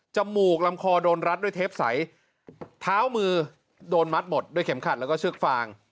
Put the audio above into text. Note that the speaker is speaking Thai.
มูกลำคอโดนรัดด้วยเทปใสเท้ามือโดนมัดหมดด้วยเข็มขัดแล้วก็เชือกฟาง